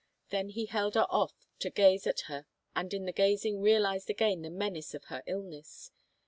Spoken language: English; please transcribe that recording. Then he held her off to gaze at her and in the gazing realized again the menace of her illness.